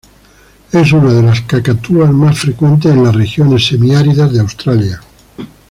Es una de las cacatúas más frecuentes en las regiones semiáridas de Australia.